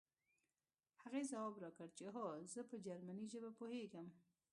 هغې ځواب راکړ چې هو زه په جرمني ژبه پوهېږم